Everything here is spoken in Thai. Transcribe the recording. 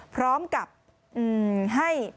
พร้อมกับให้